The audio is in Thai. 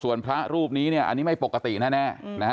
ส่วนพระรูปนี้อันนี้ไม่ปกติแน่